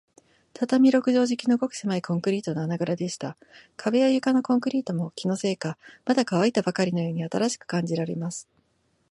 畳六畳敷きほどの、ごくせまいコンクリートの穴ぐらでした。壁や床のコンクリートも、気のせいか、まだかわいたばかりのように新しく感じられます。